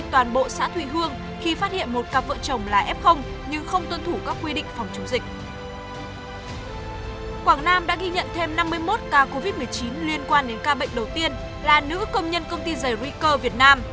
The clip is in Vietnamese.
tòa cảnh covid một mươi chín liên quan đến ca bệnh đầu tiên là nữ công nhân công ty giải rụi cơ việt nam